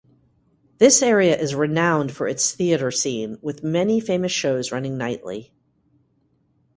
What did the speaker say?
This area is renowned for its theater scene, with many famous shows running nightly.